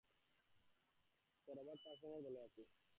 সে Robert Persen এর দলে আছে।